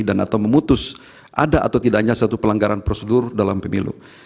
atau memutus ada atau tidaknya satu pelanggaran prosedur dalam pemilu